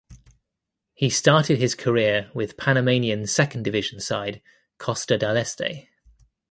He started his career with Panamanian second division side Costa del Este.